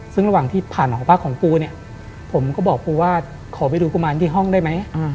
ซึ่งระหว่างที่ผ่านหอพักของกูเนี่ยผมก็บอกครูว่าขอไปดูกุมารที่ห้องได้ไหม